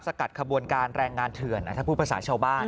กัดขบวนการแรงงานเถื่อนถ้าพูดภาษาชาวบ้าน